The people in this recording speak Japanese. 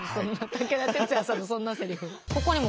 武田鉄矢さんのそんなセリフ。